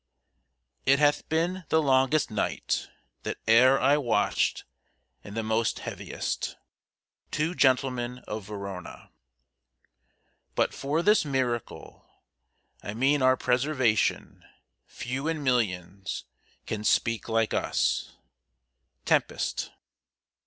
It hath been the longest night That e'er I watched, and the most heaviest. TWO GENTLEMEN OF VERONA. But for this miracle I mean our preservation few in millions Can speak like us. TEMPEST.